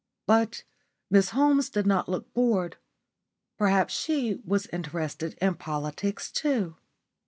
But Miss Holmes did not look bored. Perhaps she was interested in politics too.